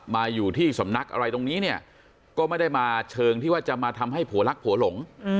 มาอยู่ที่สำนักอะไรตรงนี้เนี่ยก็ไม่ได้มาเชิงที่ว่าจะมาทำให้ผัวรักผัวหลง